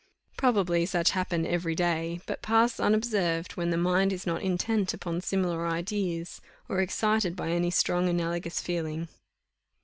Probably such happen every day, but pass unobserved when the mind is not intent upon similar ideas, or excited by any strong analogous feeling.